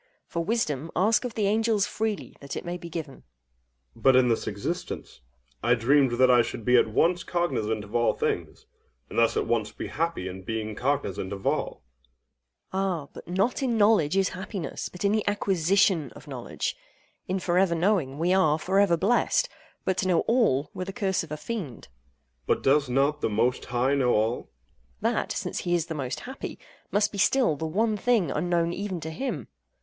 For wisdom, ask of the angels freely, that it may be given! OINOS. But in this existence, I dreamed that I should be at once cognizant of all things, and thus at once be happy in being cognizant of all. AGATHOS. Ah, not in knowledge is happiness, but in the acquisition of knowledge! In for ever knowing, we are for ever blessed; but to know all were the curse of a fiend. OINOS. But does not The Most High know all? AGATHOS. That (since he is The Most Happy) must be still the one thing unknown even to Him.